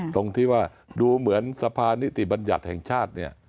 ตรงที่ว่าดูเหมือนสะพานิติบัญญัติแห่งชาติเนี่ย